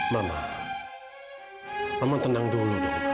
mama mama tenang dulu dong